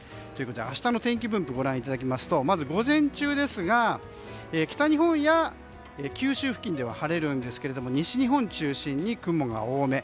明日の天気分布をご覧いただきますとまず午前中ですが北日本や九州付近では晴れるんですけれど西日本中心に雲が多め。